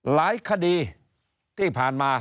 หลายคดีที่ผ่านมา